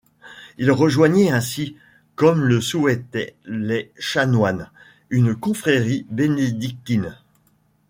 Il rejoignit ainsi, comme le souhaitaient les chanoines, une confrérie bénédictine.